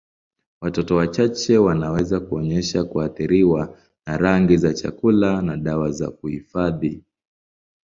Watoto wachache wanaweza kuonyesha kuathiriwa na rangi za chakula na dawa za kuhifadhi.